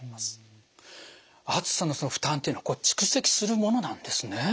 暑さの負担っていうのはこれ蓄積するものなんですね。